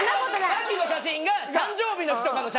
さっきの写真が誕生日の日とかの写真で。